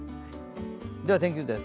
では、天気図です。